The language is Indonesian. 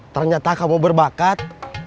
ternyata kamu berbakat